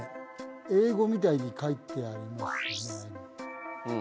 英語みたいに描いてありますよね